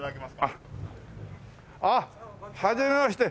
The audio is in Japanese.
ああっはじめまして。